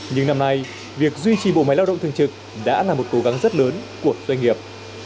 nhưng năm nay việc duy trì bộ máy lao động thường trực đã là một cố gắng rất lớn của doanh nghiệp